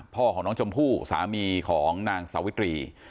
พ่อของน้องชมพู่สามีของนางสาวิตรี